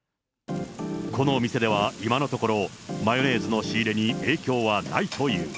このお店では、今のところ、マヨネーズの仕入れに影響はないという。